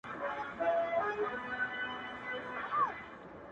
څوك راته ډاډ راكوي”